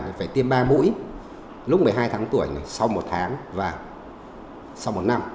thì phải tiêm ba mũi lúc một mươi hai tháng tuổi này sau một tháng và sau một năm